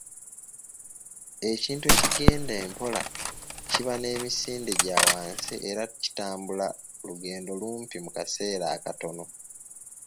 Ekintu ekigenda empola kiba n'emisinde gya wansi era kitambula olugendo lumpi mu kaseera akatono